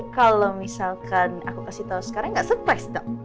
kalau misalkan aku kasih tahu sekarang nggak surprise dok